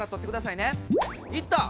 いった！